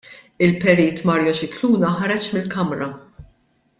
Il-Perit Mario Scicluna ħareġ mill-Kamra.